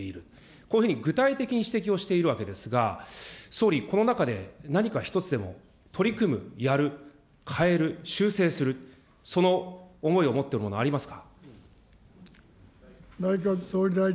こういうふうに具体的に指摘をしているわけですが、総理、この中で何か一つでも取り組む、やる、変える、修正する、その思いを持ったものはありますか。